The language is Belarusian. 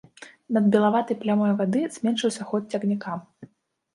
Над белаватай плямай вады зменшыўся ход цягніка.